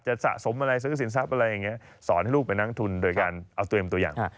สะสมอะไรซื้อสินทรัพย์อะไรอย่างนี้สอนให้ลูกไปนั่งทุนโดยการเอาเตรียมตัวอย่าง